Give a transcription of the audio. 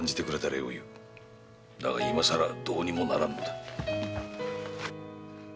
だが今さらどうにもならんのだ。